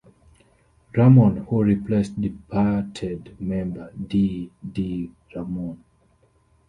Ramone, who replaced departed member Dee Dee Ramone.